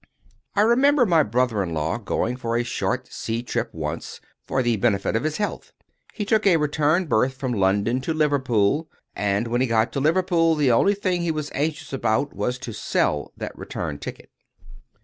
I remember my brother in law going for a short sea trip once, for the benefit of his health. He took a return berth from London to Liverpool; and when he got to Liverpool, the only thing he was anxious about was to sell that return ticket.